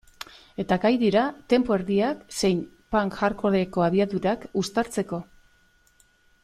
Eta gai dira tempo erdiak zein punk-hardcoreko abiadurak uztartzeko.